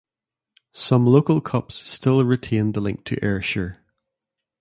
Some local cups still retained the link to Ayrshire.